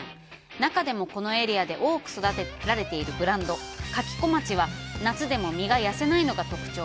中でも、このエリアで多く育てられているブランド「かき小町」は夏でも身がやせないのが特徴。